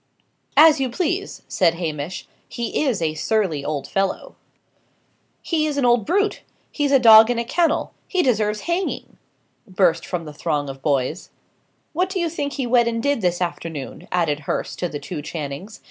"As you please," said Hamish. "He is a surly old fellow." "He is an old brute! he's a dog in a kennel! he deserves hanging!" burst from the throng of boys. "What do you think he went and did this afternoon?" added Hurst to the two Channings.